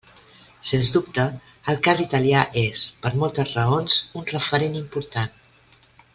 Sens dubte, el cas italià és, per moltes raons, un referent important.